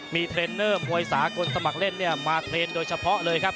มีเทรนเนอร์มวยสากลสมัครเล่นเนี่ยมาเทรนด์โดยเฉพาะเลยครับ